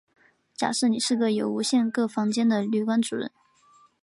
假设你是有无限个房间的旅馆主人。